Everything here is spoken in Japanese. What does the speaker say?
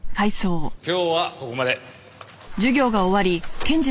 今日はここまで。